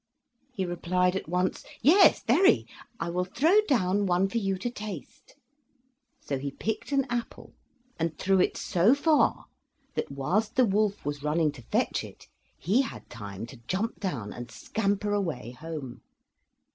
he replied at once: "Yes, very; I will throw down one for you to taste." So he picked an apple and threw it so far that whilst the wolf was running to fetch it he had time to jump down and scamper away home.